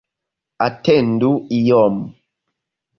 Atendu iom.